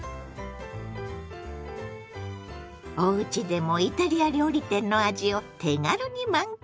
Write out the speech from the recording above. おうちでもイタリア料理店の味を手軽に満喫！